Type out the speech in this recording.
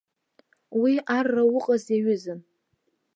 Уи арра уҟаз иаҩызан.